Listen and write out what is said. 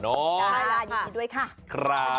ได้ยินด้วยค่ะ